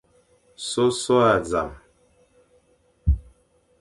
Sôsôe a zam.